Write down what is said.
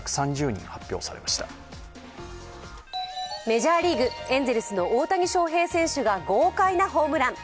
メジャーリーグ、エンゼルスの大谷翔平選手が豪快なホームラン。